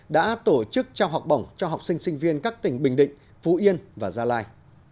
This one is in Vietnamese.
đã tổ chức trao học bổng cho học sinh sinh viên các tỉnh bình định phú yên và gia lai